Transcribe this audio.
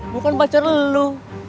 bukan pacar lo